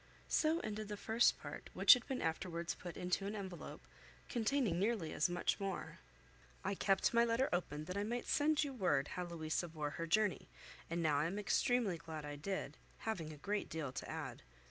So ended the first part, which had been afterwards put into an envelope, containing nearly as much more. "I kept my letter open, that I might send you word how Louisa bore her journey, and now I am extremely glad I did, having a great deal to add.